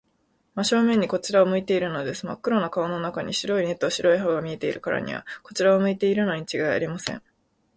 真正面にこちらを向いているのです。まっ黒な顔の中に、白い目と白い歯とが見えるからには、こちらを向いているのにちがいありません。